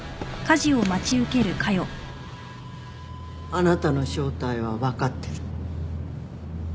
あなたの正体は分かってる。